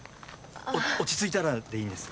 落ち着いたらでいいんです